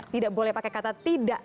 tidak boleh pakai kata tidak